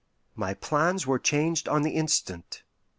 My plans were changed on the instant.